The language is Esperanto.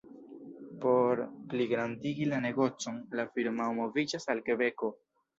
Por pligrandigi la negocon, la firmao moviĝas al Kebeko.